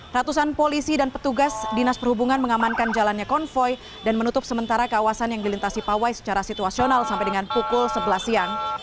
ratusan polisi dan petugas dinas perhubungan mengamankan jalannya konvoy dan menutup sementara kawasan yang dilintasi pawai secara situasional sampai dengan pukul sebelas siang